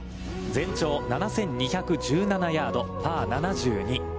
全長７２１７ヤード、パー７２。